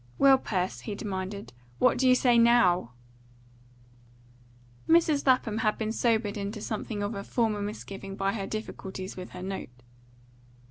"Well, Pers," he demanded, "what do you say now?" Mrs. Lapham had been sobered into something of her former misgiving by her difficulties with her note.